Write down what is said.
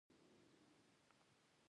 د افغانستان موقعیت ستراتیژیک دی